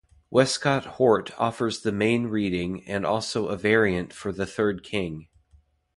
Westcott-Hort offers the main reading and also a variant for the third king.